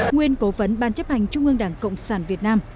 nguyên cố vấn ban chấp hành trung ương đảng cộng sản việt nam